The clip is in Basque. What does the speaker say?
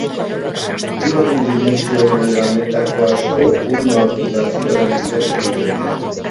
Bigarren dimentsio horren lanetako asko Ulma Fundazioaren bidez egiten dira.